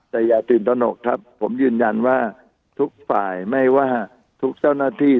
แต่อย่าตื่นตนกครับผมยืนยันว่าทุกฝ่ายไม่ว่าทุกเจ้าหน้าที่